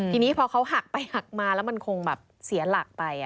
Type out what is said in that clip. ทีนี้พอเขาหักไปหักมาแล้วมันคงแบบเสียหลักไป